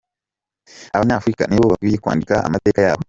Abanyafurika nibo bakwiye kwandika amateka yabo.